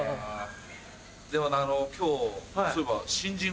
でもな今日そういえば。